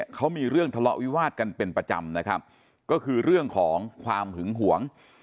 เขามีเรื่องทะเลาะวิวาดกันเป็นประจำนะครับก็คือเรื่องของความหึงหวง